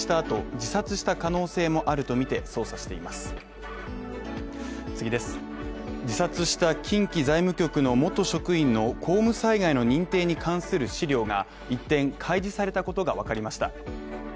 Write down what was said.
自殺した近畿財務局の元職員の公務災害の認定に関する資料が一転、開示されたことがわかりました。